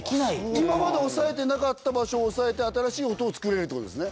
今まで押さえてなかった場所を押さえて新しい音をつくれるってことですね？